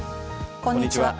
こんにちは。